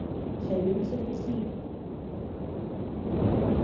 Xa lle dixen que si.